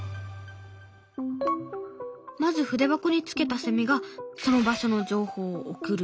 まず筆箱につけたセミがその場所の情報を送る。